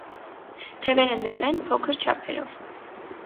Թևերը նեղ են, փոքր չափերով։